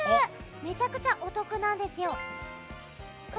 めちゃくちゃお得なんですよ。